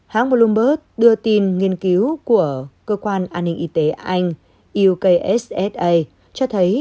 hãng bloomberg đưa tin nghiên cứu của cơ quan an ninh y tế anh yêussa cho thấy